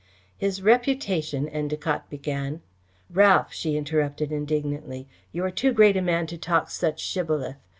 "His reputation," Endacott began "Ralph!" she interrupted indignantly. "You are too great a man to talk such shibboleth.